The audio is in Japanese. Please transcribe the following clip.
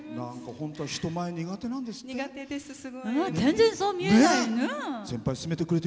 本当は人前苦手なんですって？